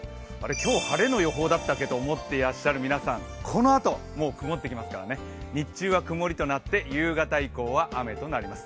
今日、晴れの予報だったけどと思ってらっしゃる皆さん、このあともう曇ってきますからね、日中はくもりとなって夕方以降は雨となります。